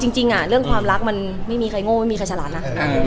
จริงเรื่องความรักมันไม่มีใครโง่ไม่มีใครฉลาดนะ